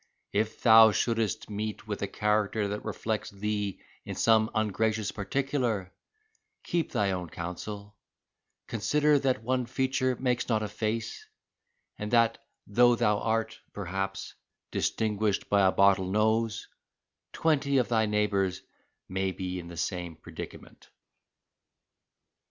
If thou shouldst meet with a character that reflects thee in some ungracious particular, keep thy own counsel; consider that one feature makes not a face, and that though thou art, perhaps, distinguished by a bottle nose, twenty of thy neighbours may be in the same predicament."